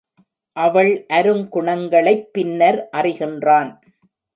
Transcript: அவள் அருங் குணங்களைப் பின்னர் அறிகின்றான்.